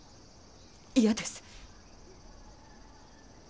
嫌です。